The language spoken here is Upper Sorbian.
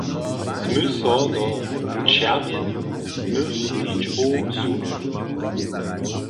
Smy so do čerwjenych ličbow sunyli.